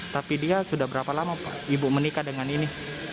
tapi dia sudah berapa lama pak ibu menikah dengan ini